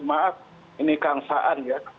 maaf ini kangsaan ya